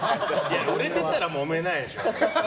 売れてたらもめないでしょ。